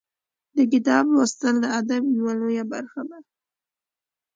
د کتاب لوستل د ادب یوه لویه برخه ده.